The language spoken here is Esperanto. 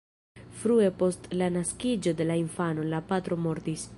Frue post la naskiĝo de la infano, la patro mortis.